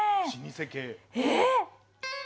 えっ⁉